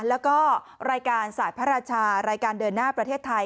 แล้วก็รายการสายพระราชารายการเดินหน้าประเทศไทย